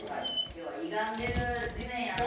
要はいがんでる地面やと。